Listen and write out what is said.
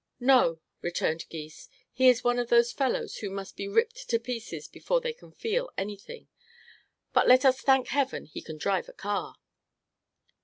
"No," returned Gys; "he is one of those fellows who must be ripped to pieces before they can feel anything. But let us thank heaven he can drive a car."